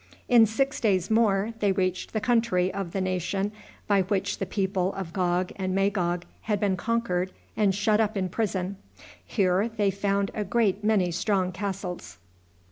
In six days more they reached the country of the nation by which the people of Gog and Magog had been conquered and shut up in prison. Here they found a great many strong castles.